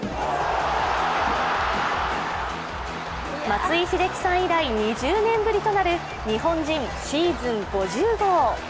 松井秀喜さん以来、２０年ぶりとなる、日本人シーズン５０号。